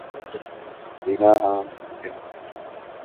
جینا ہاں ممکن ہونا